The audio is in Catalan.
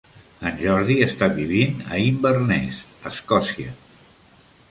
En Jordi està vivint a Inverness, Escòcia.